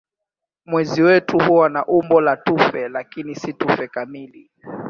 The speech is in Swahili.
Mwezi wetu huwa na umbo la tufe lakini si tufe kamili.